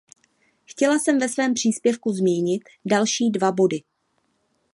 Chtěla jsem ve svém příspěvku zmínit další dva body.